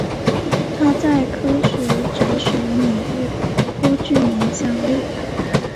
他在科学哲学领域颇具影响力。